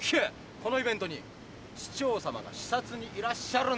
このイベントに市長さまが視察にいらっしゃるんだよ！